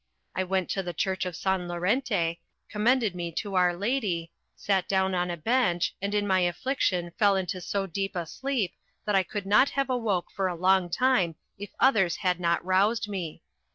I went to the church of San Lorente, commended me to our Lady, sat down on a bench, and in my affliction fell into so deep a sleep that I should not have awoke for a long time if others had not roused me.